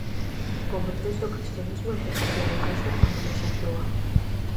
Converteuse ao cristianismo e protexeu a Igrexa anglosaxoa.